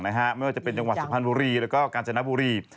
ไม่ว่าจะเป็นจังหวัดสุพรรณบุรีแล้วก็กาญจนบุรี